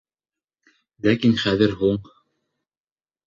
Ләкин хәҙер һуң...